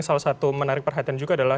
salah satu menarik perhatian juga adalah